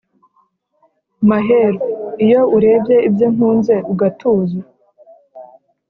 Maheru iyo urebye Ibyo ntunze ugatuza